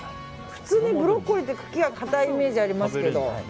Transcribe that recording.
普通にブロッコリーって茎が硬いイメージがありますけど。